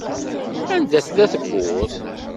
Anda tella tewwurt?